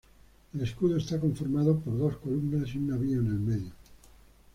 El escudo está conformado por dos columnas y un navío en el medio.